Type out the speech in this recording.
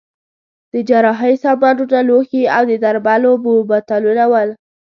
د جراحۍ سامانونه، لوښي او د درملو بوتلونه ول.